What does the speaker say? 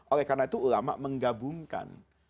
oleh karena itu ulama menggabungkan